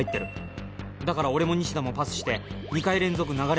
だから俺も西田もパスして２回連続流れになる。